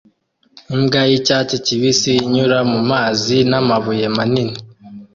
Imbwa y'icyatsi kibisi inyura mu mazi n'amabuye manini